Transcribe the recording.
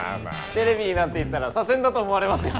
テレビになんて行ったら左遷だと思われますよ。